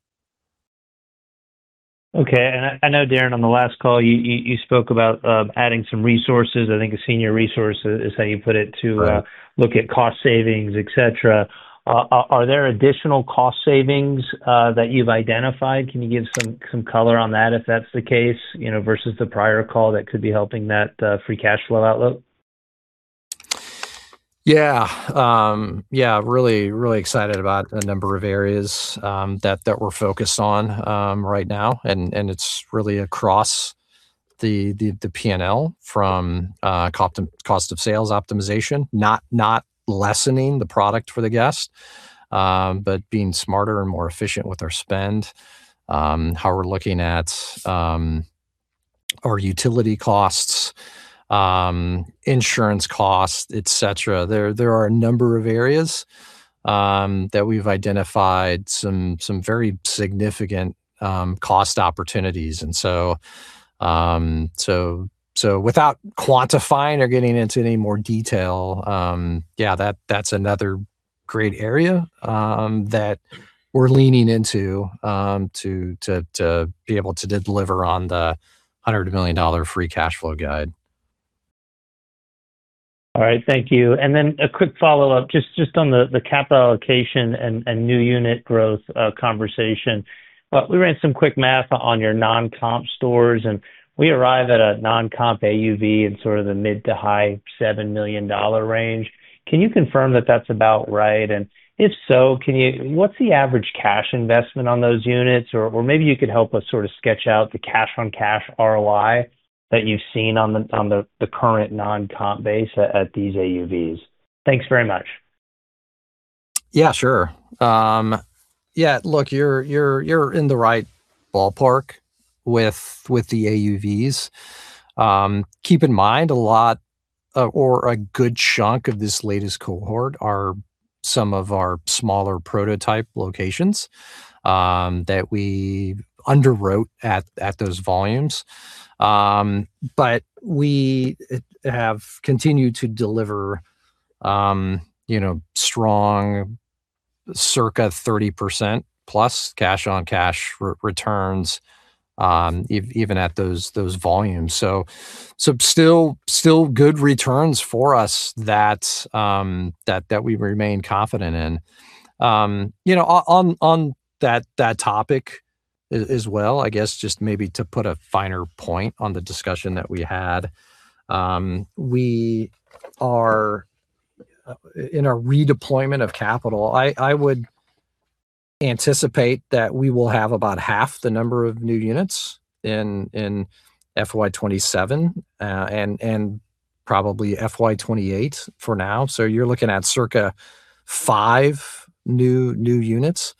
I: Okay. I know, Darin, on the last call, you spoke about adding some resources, I think a senior resource is how you put it—
D: Correct
I: to look at cost savings, et cetera. Are there additional cost savings that you've identified? Can you give some color on that if that's the case, versus the prior call that could be helping that free cash flow outlook?
D: Really excited about a number of areas that we're focused on right now, and it's really across the P&L from cost of sales optimization. Not lessening the product for the guest, but being smarter and more efficient with our spend. How we're looking at our utility costs, insurance costs, et cetera. There are a number of areas that we've identified some very significant cost opportunities. Without quantifying or getting into any more detail, that's another great area that we're leaning into to be able to deliver on the $100 million free cash flow guide.
I: Thank you. A quick follow-up just on the capital allocation and new unit growth conversation. We ran some quick math on your non-comp stores, and we arrive at a non-comp AUV in sort of the mid to high $7 million range. Can you confirm that that's about right? If so, what's the average cash investment on those units? Or maybe you could help us sort of sketch out the cash on cash ROI that you've seen on the current non-comp base at these AUVs. Thanks very much.
D: Yeah, sure. Look, you're in the right ballpark with the AUVs. Keep in mind, a lot or a good chunk of this latest cohort are some of our smaller prototype locations that we underwrote at those volumes. We have continued to deliver strong circa 30%+ cash on cash re-returns, even at those volumes. Still good returns for us that we remain confident in. On that topic as well, I guess just maybe to put a finer point on the discussion that we had. We are in a redeployment of capital. I would anticipate that we will have about half the number of new units in FY 2027, and probably FY 2028 for now. You're looking at circa five new units.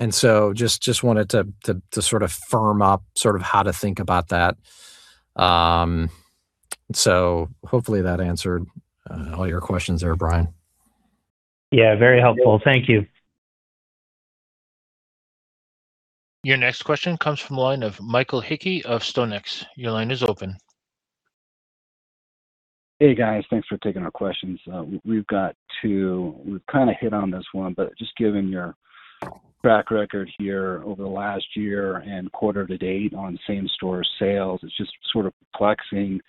D: Just wanted to sort of firm up sort of how to think about that. Hopefully that answered all your questions there, Brian.
I: Yeah, very helpful. Thank you.
A: Your next question comes from the line of Michael Hickey of StoneX. Your line is open.
J: Hey, guys. Thanks for taking our questions. We've kind of hit on this one, just given your track record here over the last year and quarter to date on same-store sales, it's just sort of perplexing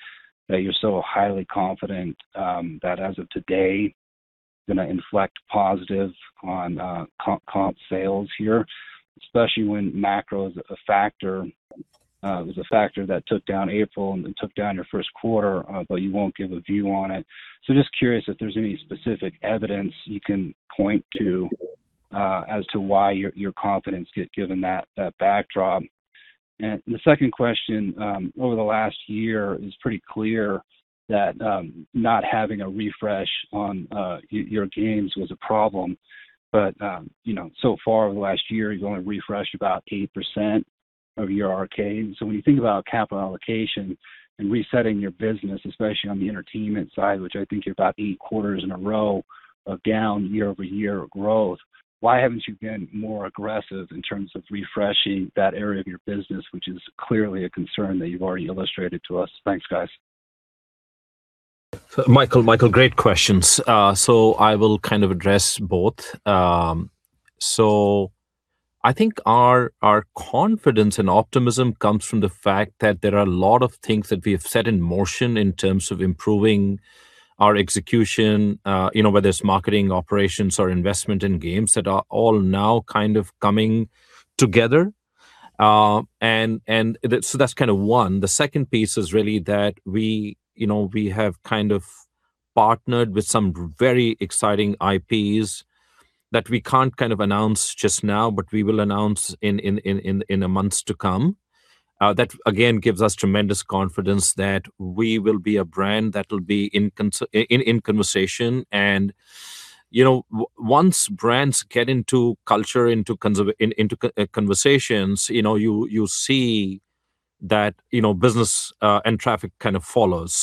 J: that you're so highly confident that as of today, going to inflect positive on comp sales here, especially when macro is a factor. It was a factor that took down April and took down your first quarter, you won't give a view on it. Just curious if there's any specific evidence you can point to as to why your confidence given that backdrop. The second question, over the last year, it's pretty clear that not having a refresh on your games was a problem. So far, over the last year, you've only refreshed about 8% of your arcades. When you think about capital allocation and resetting your business, especially on the entertainment side, which I think you're about eight quarters in a row of down year-over-year of growth, why haven't you been more aggressive in terms of refreshing that area of your business, which is clearly a concern that you've already illustrated to us? Thanks, guys.
C: Michael, great questions. I will kind of address both. I think our confidence and optimism comes from the fact that there are a lot of things that we have set in motion in terms of improving our execution, whether it's marketing operations or investment in games that are all now kind of coming together. That's kind of one. The second piece is really that we have kind of partnered with some very exciting IPs that we can't kind of announce just now, but we will announce in the months to come. That again, gives us tremendous confidence that we will be a brand that will be in conversation. Once brands get into culture, into conversations, you see that business and traffic kind of follows.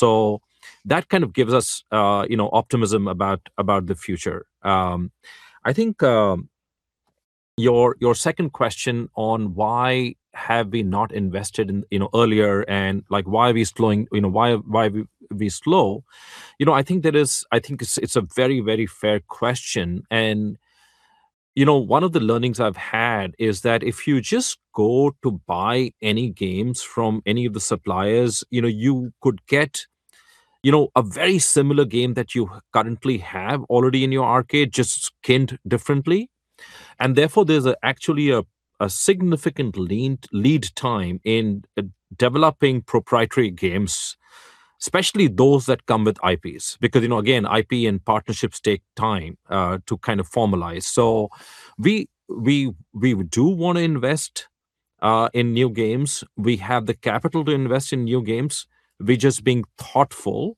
C: That kind of gives us optimism about the future. I think your second question on why have we not invested earlier and why are we slow. I think it's a very fair question. One of the learnings I've had is that if you just go to buy any games from any of the suppliers, you could get a very similar game that you currently have already in your arcade, just skinned differently. Therefore, there's actually a significant lead time in developing proprietary games, especially those that come with IPs. Because, again, IP and partnerships take time to formalize. We do want to invest in new games. We have the capital to invest in new games. We're just being thoughtful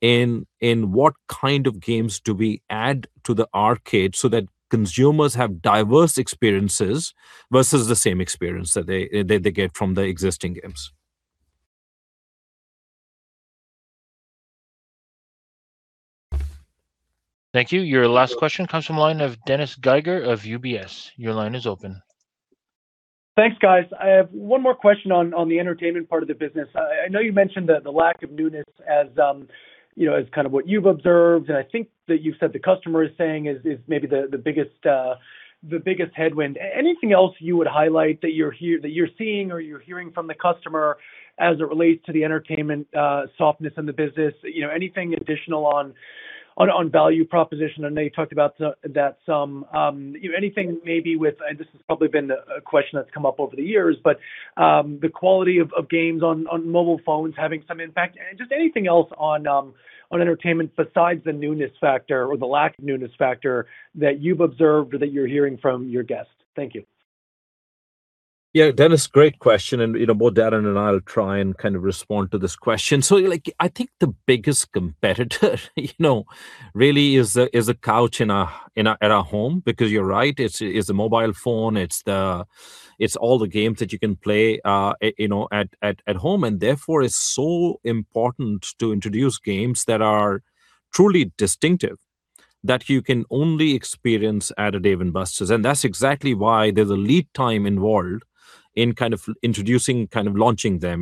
C: in what kind of games do we add to the arcade, so that consumers have diverse experiences versus the same experience that they get from the existing games.
A: Thank you. Your last question comes from the line of Dennis Geiger of UBS. Your line is open.
K: Thanks, guys. I have one more question on the entertainment part of the business. I know you mentioned that the lack of newness as kind of what you've observed, and I think that you've said the customer is saying is maybe the biggest headwind. Anything else you would highlight that you're seeing or you're hearing from the customer as it relates to the entertainment softness in the business? Anything additional on value proposition? I know you talked about that some. Anything maybe with, and this has probably been a question that's come up over the years, but the quality of games on mobile phones having some impact? Just anything else on entertainment besides the newness factor or the lack of newness factor that you've observed or that you're hearing from your guests. Thank you.
C: Yeah, Dennis, great question. Both Darin and I will try and kind of respond to this question. I think the biggest competitor really is the couch at our home because you're right, it's the mobile phone, it's all the games that you can play at home. Therefore, it's so important to introduce games that are truly distinctive, that you can only experience at a Dave & Buster's. That's exactly why there's a lead time involved in kind of introducing, kind of launching them.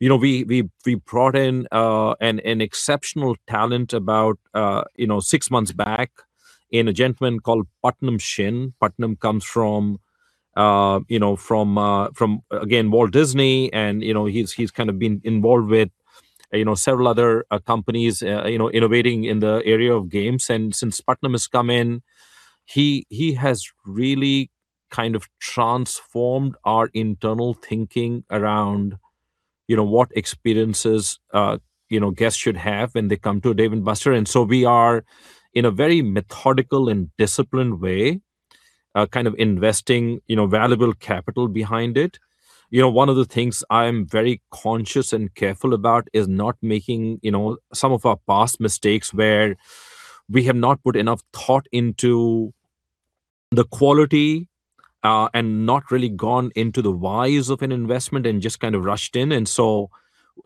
C: We brought in an exceptional talent about six months back, in a gentleman called Putnam Shin. Putnam comes from, again, Walt Disney, and he's kind of been involved with several other companies, innovating in the area of games. Since Putnam has come in, he has really kind of transformed our internal thinking around what experiences guests should have when they come to Dave & Buster's. We are, in a very methodical and disciplined way, kind of investing valuable capital behind it. One of the things I'm very conscious and careful about is not making some of our past mistakes, where we have not put enough thought into the quality and not really gone into the whys of an investment and just kind of rushed in.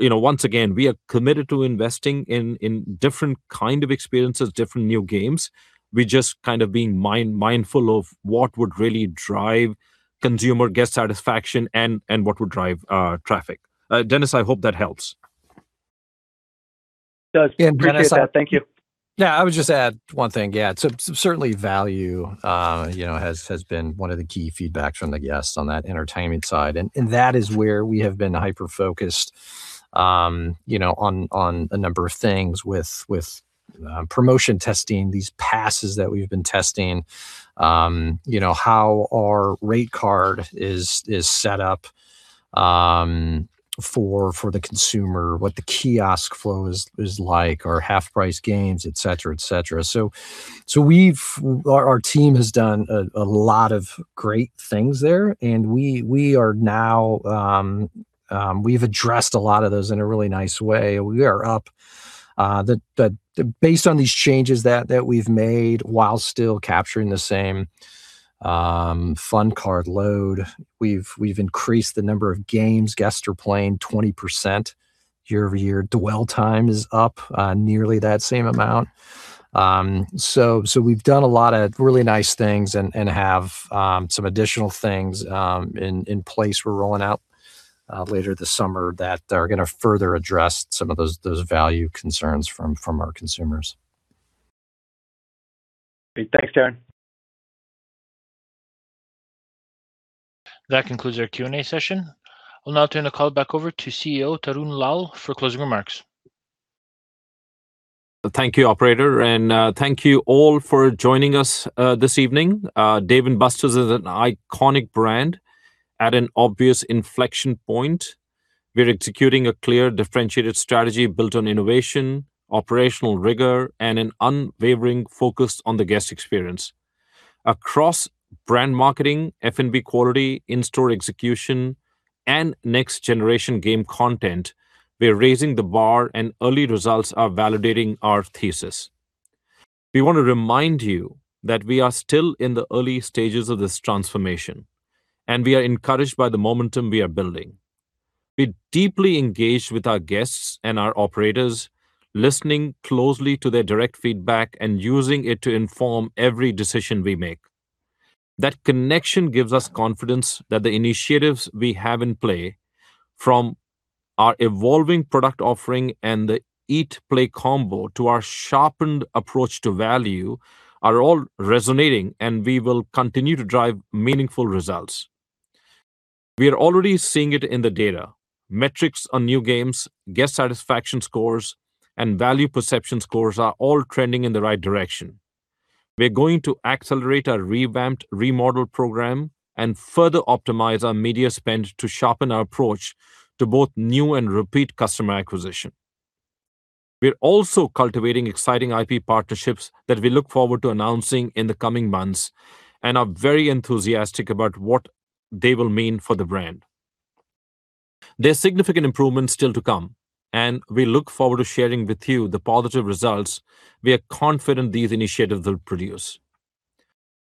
C: Once again, we are committed to investing in different kind of experiences, different new games. We're just kind of being mindful of what would really drive consumer guest satisfaction and what would drive traffic. Dennis, I hope that helps.
K: It does. Appreciate that. Thank you.
D: Yeah, I would just add one thing. Yeah, certainly value has been one of the key feedback from the guests on that entertainment side. That is where we have been hyper-focused on a number of things with promotion testing, these passes that we've been testing, how our rate card is set up for the consumer, what the kiosk flow is like, our half-price games, et cetera. Our team has done a lot of great things there. We've addressed a lot of those in a really nice way. Based on these changes that we've made while still capturing the same fun card load, we've increased the number of games guests are playing 20% year-over-year. Dwell time is up nearly that same amount. We've done a lot of really nice things and have some additional things in place we're rolling out later this summer that are going to further address some of those value concerns from our consumers.
K: Great. Thanks, Darin.
A: That concludes our Q&A session. I'll now turn the call back over to CEO Tarun Lal for closing remarks.
C: Thank you, operator, and thank you all for joining us this evening. Dave & Buster's is an iconic brand at an obvious inflection point. We're executing a clear, differentiated strategy built on innovation, operational rigor, and an unwavering focus on the guest experience. Across brand marketing, F&B quality, in-store execution, and next generation game content, we're raising the bar, and early results are validating our thesis. We want to remind you that we are still in the early stages of this transformation, and we are encouraged by the momentum we are building. We're deeply engaged with our guests and our operators, listening closely to their direct feedback and using it to inform every decision we make. That connection gives us confidence that the initiatives we have in play, from our evolving product offering and the Eat & Play Combo to our sharpened approach to value, are all resonating. We will continue to drive meaningful results. We are already seeing it in the data. Metrics on new games, guest satisfaction scores, and value perception scores are all trending in the right direction. We're going to accelerate our revamped, remodeled program and further optimize our media spend to sharpen our approach to both new and repeat customer acquisition. We're also cultivating exciting IP partnerships that we look forward to announcing in the coming months. We are very enthusiastic about what they will mean for the brand. There's significant improvements still to come. We look forward to sharing with you the positive results we are confident these initiatives will produce.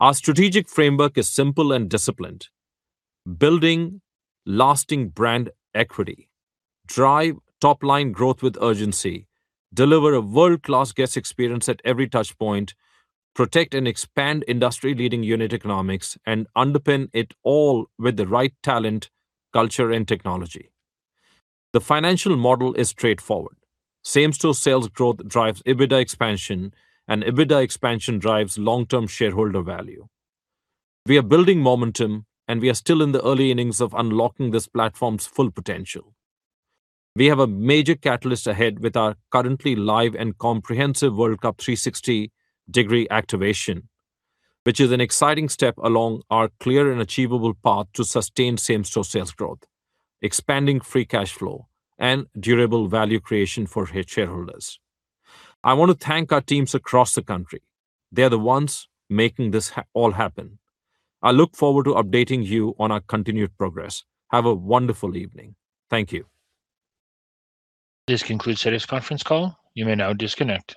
C: Our strategic framework is simple and disciplined. Building lasting brand equity, drive top-line growth with urgency, deliver a world-class guest experience at every touch point, protect and expand industry-leading unit economics, and underpin it all with the right talent, culture, and technology. The financial model is straightforward. Same-store sales growth drives EBITDA expansion. EBITDA expansion drives long-term shareholder value. We are building momentum. We are still in the early innings of unlocking this platform's full potential. We have a major catalyst ahead with our currently live and comprehensive World Cup 360-degree activation, which is an exciting step along our clear and achievable path to sustained same-store sales growth, expanding free cash flow, and durable value creation for shareholders. I want to thank our teams across the country. They are the ones making this all happen. I look forward to updating you on our continued progress. Have a wonderful evening. Thank you.
A: This concludes today's conference call. You may now disconnect.